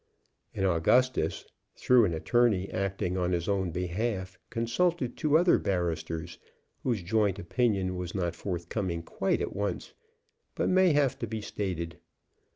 And Augustus, through an attorney acting on his own behalf, consulted two other barristers, whose joint opinion was not forthcoming quite at once, but may have to be stated.